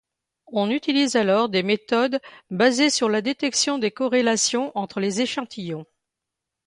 On utilise alors des méthodes basées sur la détection des corrélations entre les échantillons.